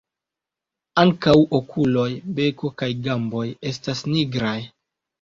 Ankaŭ okuloj, beko kaj gamboj estas nigraj.